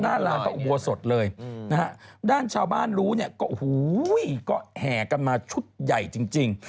หน้าร้างเขาก็อุววสดเลยนะฮะด้านชาวบ้านรู้เนี่ยก็หัวก็แหกันมาชุดใหญ่จริง